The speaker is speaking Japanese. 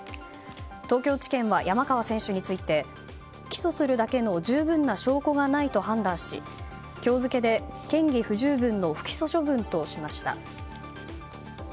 東京地検は山川選手について起訴するだけの十分な証拠がないと判断し今日付で嫌疑不十分の不起訴処分としました。